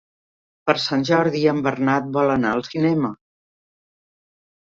Per Sant Jordi en Bernat vol anar al cinema.